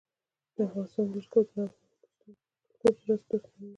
د افغانستان جلکو د افغان کلتور په داستانونو کې راځي.